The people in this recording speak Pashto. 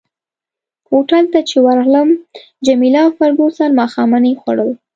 هوټل ته چي ورغلم جميله او فرګوسن ماښامنۍ خوړل.